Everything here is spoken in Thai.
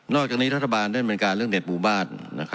นอกจากนี้รัฐบาลเนื่องเป็นการเลือกเน็ตบุบาล